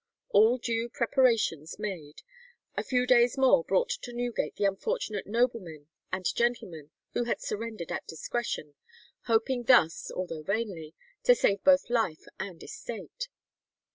All due preparations made, a few days more brought to Newgate the unfortunate noblemen and gentlemen who had surrendered at discretion, hoping thus, although vainly, to save both life and estate.